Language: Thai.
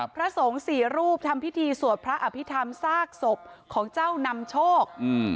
พระสงฆ์สี่รูปทำพิธีสวดพระอภิษฐรรมซากศพของเจ้านำโชค